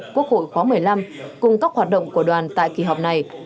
quốc hội khóa một mươi năm cùng các hoạt động của đoàn tại kỳ họp này